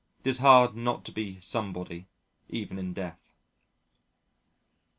It is hard not to be somebody even in death.